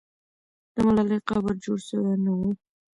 د ملالۍ قبر جوړ سوی نه وو.